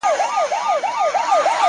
ستا دی که قند دی!